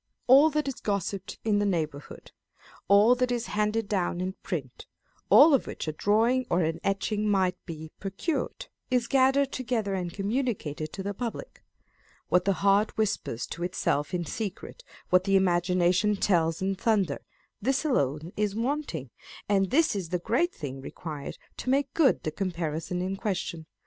All that is gossiped in the neighbourhood, all that is handed down in print, all of which a drawing or an etching might be procured, is gathered together and communicated to the public : what the heart whispers to itself in secret, what the imagination tells in thunder, this alone is wanting, and this is the great thing required to make good the com parison in question.